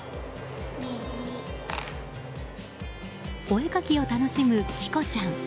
お絵かきを楽しむ木湖ちゃん。